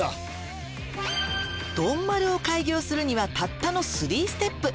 「丼丸を開業するにはたったの３ステップ」